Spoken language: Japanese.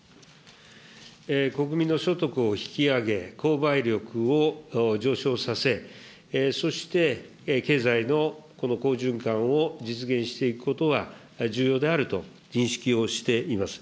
国民の所得を引き上げ、購買力を上昇させ、そして経済の好循環を実現していくことは重要であると認識をしています。